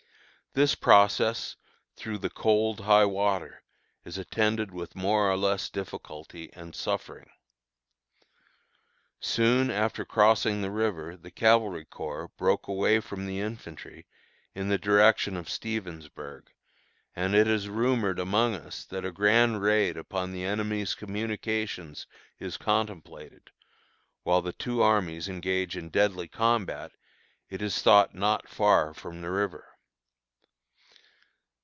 This process, through the cold, high water, is attended with more or less difficulty and suffering. Soon after crossing the river the Cavalry Corps broke away from the infantry, in the direction of Stevensburg; and it is rumored among us that a grand raid upon the enemy's communications is contemplated, while the two armies engage in deadly combat, it is thought not far from the river.